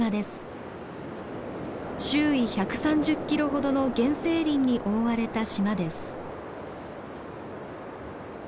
周囲１３０キロほどの原生林に覆われた島です。